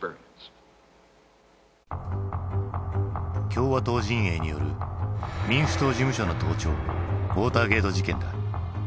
共和党陣営による民主党事務所の盗聴ウォーターゲート事件だ。